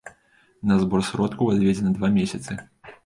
На збор сродкаў адведзена два месяцы.